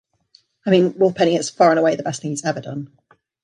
I mean, Will Penny is far and away the best thing he's ever done.